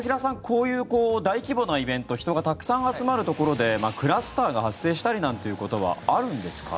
こういう大規模なイベント人がたくさん集まるところでクラスターが発生したりなんていうことはあるんですか？